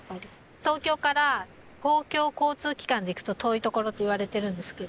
東京から公共交通機関で行くと遠い所といわれているんですけど。